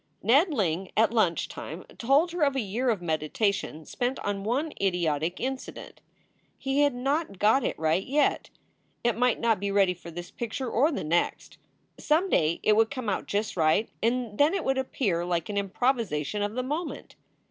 Ned Ling at lunch time told her of a year of meditation spent on one idiotic incident. He had not got it right yet. It might not be ready for this picture or the next. Some day it would come out just right, and then it would appear like an improvisation of the moment.